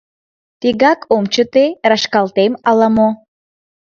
Тегак ом чыте — рашкалтем ала-мо!..